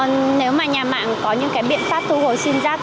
nếu mà nhà mạng có những biện pháp thu hồi sim giác